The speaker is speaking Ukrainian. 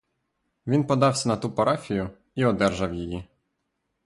Він подався на ту парафію і одержав її.